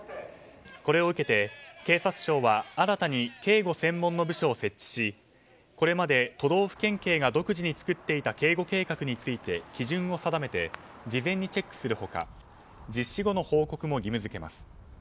これを受けて、警察庁は新たに警護専門の部署を設置しこれまで都道府県警が独自に作っていた警護計画について基準を定めて事前にチェックする他実施後の報告も義務付けます。